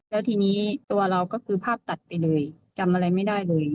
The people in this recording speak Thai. แล้วทีนี้ตัวเราก็คือภาพตัดไปเลยจำอะไรไม่ได้เลย